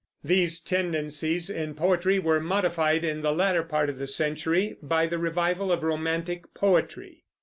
These tendencies in poetry were modified, in the latter part of the century, by the revival of romantic poetry.